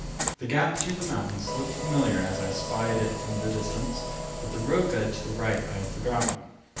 The gap through the mountains looked familiar as I spied it from the distance, but the roadbed to the right I had forgotten.